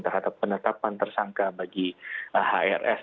terhadap penetapan tersangka bagi hrs